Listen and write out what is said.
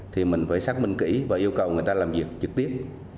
thì mình phải xác minh kỹ và yêu cầu người ta làm việc trực tiếp